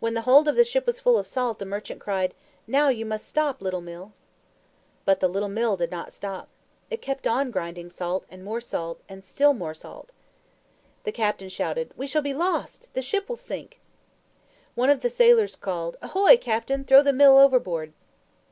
When the hold of the ship was full of salt, the merchant cried, "Now you must stop, little Mill." But the little Mill did not stop. It kept on grinding salt, and more salt, and still more salt. The captain shouted, "We shall be lost! The ship will sink!" One of the sailors called, "Ahoy, captain! Throw the Mill overboard."